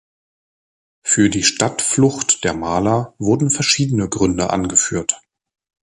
Für die „Stadtflucht“ der Maler wurden verschiedene Gründe angeführt.